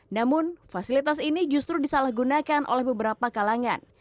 namun fasilitas ini justru disalahgunakan oleh beberapa kalangan